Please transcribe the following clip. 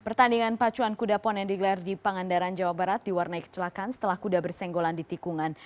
pertandingan pacuan kuda pon yang digelar di pangandaran jawa barat diwarnai kecelakaan setelah kuda bersenggolan di tikungan